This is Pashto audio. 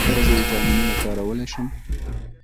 ایا زه ویټامینونه کارولی شم؟